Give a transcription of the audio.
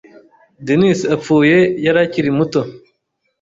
Denis apfuye yari akiri muto